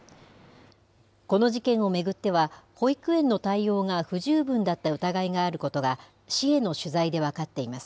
この事件を巡っては、保育園の対応が不十分だった疑いがあることが市への取材で分かっています。